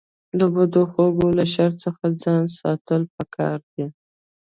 د بدو خلکو له شر څخه ځان ساتل پکار دي.